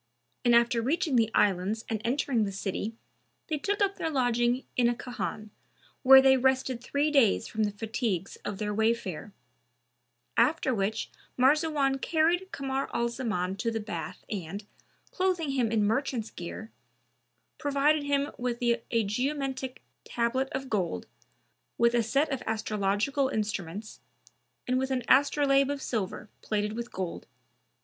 And after reaching the Islands and entering the city they took up their lodging in a khan, where they rested three days from the fatigues of their wayfare; after which Marzawan carried Kamar al Zaman to the bath and, clothing him in merchant's gear, provided him with a geomantic tablet of gold,[FN#299] with a set of astrological instruments and with an astrolabe of silver, plated with gold.